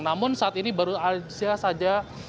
namun saat ini baru saja